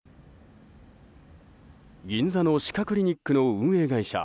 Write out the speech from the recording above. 銀座の歯科クリニックの運営会社